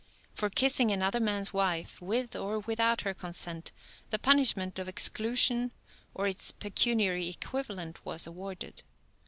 For kissing another man's wife, with or without her consent, the punishment of exclusion, or its pecuniary equivalent, was awarded.